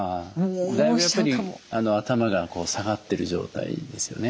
だいぶやっぱり頭が下がってる状態ですよね。